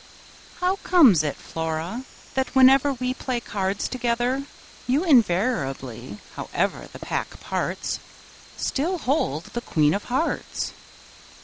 How comes it, Flora, that, whenever we Play cards together, you invariably, However the pack parts, Still hold the Queen of Hearts?